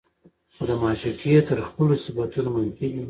خو د معشوقې تر خپلو صفتونو منفي دي